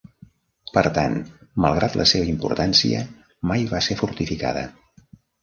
Per tant, malgrat la seva importància, mai va ser fortificada.